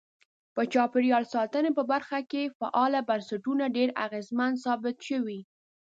په چاپیریال ساتنې په برخه کې فعال بنسټونه ډیر اغیزمن ثابت شوي.